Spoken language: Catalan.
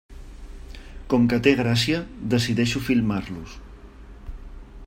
Com que té gràcia, decideixo filmar-los.